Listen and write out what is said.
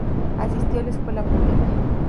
Asistió a la escuela pública.